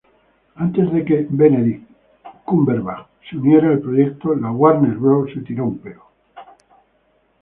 Antes de que Benedict Cumberbatch se uniera al proyecto, la Warner Bros.